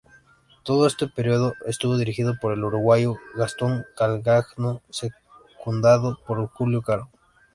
Todo este periodo estuvo dirigido por el uruguayo Gastón Calcagno, secundado por Julio Caro.